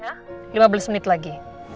ya lima belas menit lagi